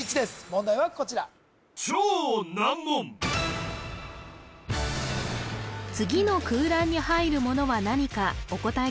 問題はこちら次の空欄に入るものは何かお答え